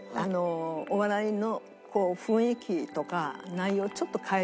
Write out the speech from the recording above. お笑いの雰囲気とか内容をちょっと変えてみても。